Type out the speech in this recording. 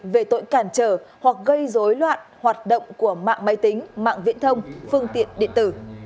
về tội cản trở hoặc gây dối loạn hoạt động của mạng máy tính mạng viễn thông phương tiện điện tử